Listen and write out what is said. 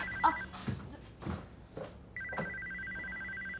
あっ。